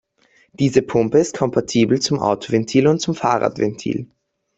Diese Pumpe ist kompatibel zum Autoventil und zum Fahrradventil.